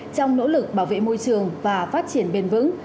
trong nỗ lực bảo vệ môi trường và phát triển bền vững